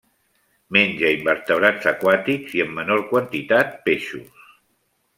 Menja invertebrats aquàtics i, en menor quantitat, peixos.